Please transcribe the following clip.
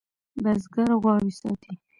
بزگر غواوې ساتي.